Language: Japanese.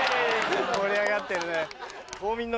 盛り上がってるね。